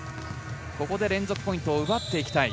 ここで連続ポイントを奪っていきたい。